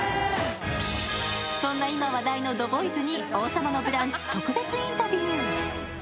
そんな今話題のＴＨＥＢＯＹＳに「王様のブランチ」特別インタビュー。